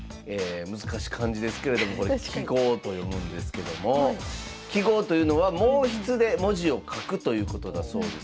難しい漢字ですけれどもこれ揮毫と読むんですけども揮毫というのは毛筆で文字を書くということだそうです。